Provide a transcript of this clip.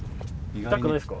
痛くないですか？